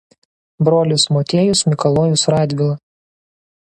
Brolis Motiejus Mikalojus Radvila.